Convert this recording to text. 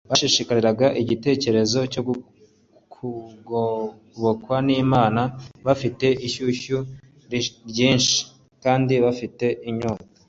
bashishikariraga igitekerezo cyo kugobokwa n'imana, bafite ishyushyu ryinshi, kandi bafite inyota